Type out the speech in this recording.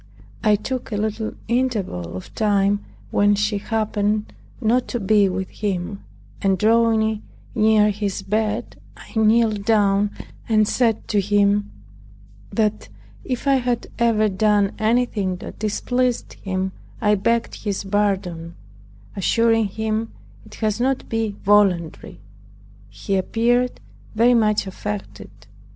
I took a little interval of time when she happened not to be with him, and drawing near his bed, I kneeled down and said to him, "That if I had ever done any thing that displeased him I begged his pardon, assuring him it had not been voluntary." He appeared very much affected.